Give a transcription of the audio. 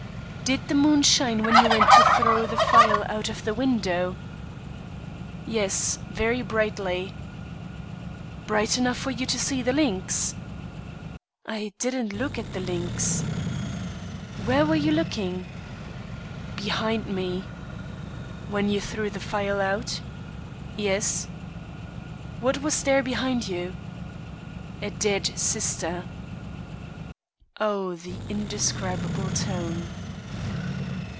"Did the moon shine when you went to throw the phial out of the window?" "Yes, very brightly." "Bright enough for you to see the links?" "I didn't look at the links." "Where were you looking?" "Behind me." "When you threw the phial out?" "Yes." "What was there behind you?" "A dead sister." Oh, the indescribable tone!